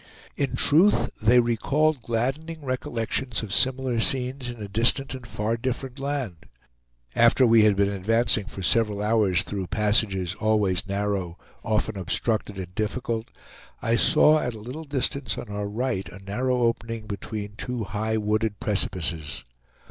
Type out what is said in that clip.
In truth they recalled gladdening recollections of similar scenes in a distant and far different land. After we had been advancing for several hours through passages always narrow, often obstructed and difficult, I saw at a little distance on our right a narrow opening between two high wooded precipices.